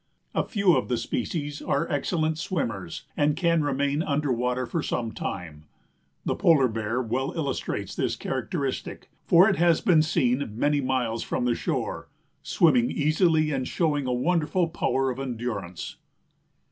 A few of the species are excellent swimmers and can remain under water for some time. The Polar Bear well illustrates this characteristic, for it has been seen many miles from the shore, swimming easily and showing a wonderful power of endurance.